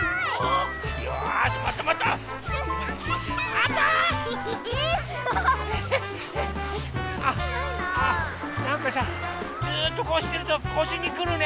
あなんかさずっとこうしてるとこしにくるね！